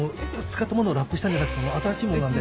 使ったものをラップしたんじゃなくて新しいものなんで。